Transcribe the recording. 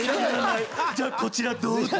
じゃあこちらどうぞ。